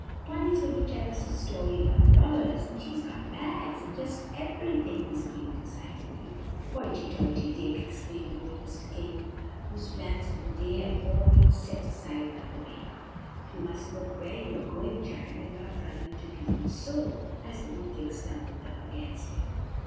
"Polly's going to tell us a story about robbers, and she's got bags, and just everything," he screamed excitedly. "Hoity toity, Dick," exclaimed old Mr. King, whose plans for the day had all been set aside by the rain. "You must look where you are going, child, and not run into people so," as little Dick stumbled up against him.